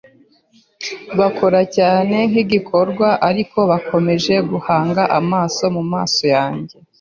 bakora cyane nkigikorwa, ariko bakomeje guhanga amaso mumaso yanjye